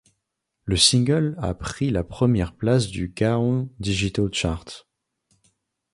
Le single a pris la première place du Gaon Digital Chart.